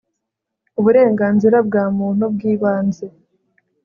uburenganzira bwa muntu bw'ibanze